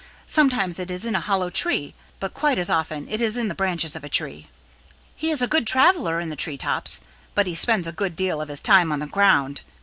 Sometimes it is in a hollow tree, but quite as often it is in the branches of a tree. He is a good traveler in the tree tops, but he spends a good deal of his time on the ground.